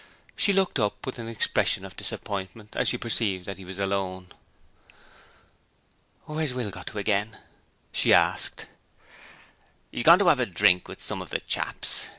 She looked up with an expression of disappointment as she perceived that he was alone. 'Where's Will got to again?' she asked. 'He's gone to 'ave a drink with some of the chaps.